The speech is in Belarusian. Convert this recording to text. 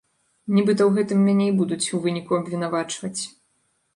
Нібыта ў гэтым мяне і будуць у выніку абвінавачваць.